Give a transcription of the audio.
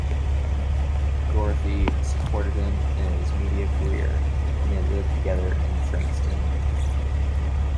Dorothy supported him in his media career and they lived together in Frankston.